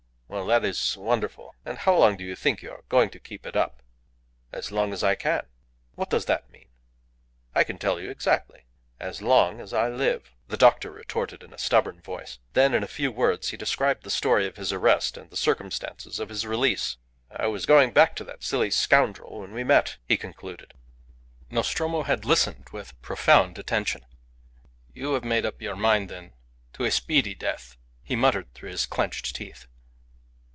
"Well, that is wonderful. And how long do you think you are going to keep it up?" "As long as I can." "What does that mean?" "I can tell you exactly. As long as I live," the doctor retorted in a stubborn voice. Then, in a few words, he described the story of his arrest and the circumstances of his release. "I was going back to that silly scoundrel when we met," he concluded. Nostromo had listened with profound attention. "You have made up your mind, then, to a speedy death," he muttered through his clenched teeth.